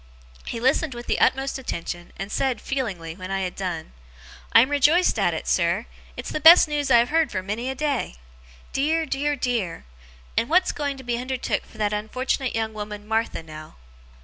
He listened with the utmost attention, and said, feelingly, when I had done: 'I am rejoiced at it, sir! It's the best news I have heard for many a day. Dear, dear, dear! And what's going to be undertook for that unfortunate young woman, Martha, now?